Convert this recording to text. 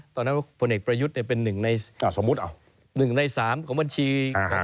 ตอนนั้นพลเอกประยุทธ์เป็นหนึ่งในสมมุติ๑ใน๓ของบัญชี